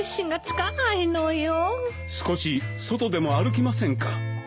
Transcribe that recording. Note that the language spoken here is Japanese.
少し外でも歩きませんか？